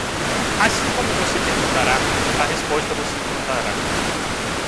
Assim como você perguntará, a resposta você encontrará.